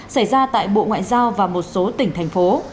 xảy ra tại bộ ngoại giao và một số tỉnh thành phố